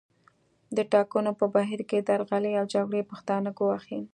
د ټاکنو په بهیر کې درغلۍ او جګړې پښتانه ګواښي